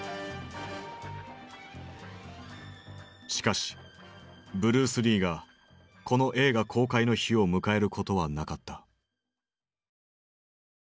しかしブルース・リーがこの映画公開の日を迎えることはなかった。